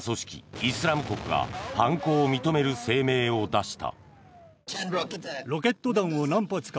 イスラム国が犯行を認める声明を出した。